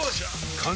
完成！